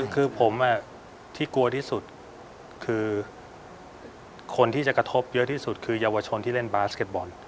คือผมที่กลัวที่สุดคือคนที่จะกระทบเยอะที่สุดคือเยาวชนที่เล่นบาสเก็ตบอล